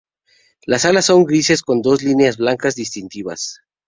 Las alas son grises con dos líneas blancas distintivas.